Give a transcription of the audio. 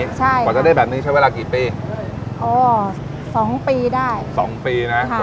ใช่กว่าจะได้แบบนี้ใช้เวลากี่ปีอ๋อสองปีได้สองปีนะค่ะ